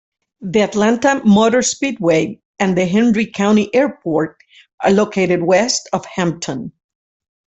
The Atlanta Motor Speedway and the Henry County Airport are located west of Hampton.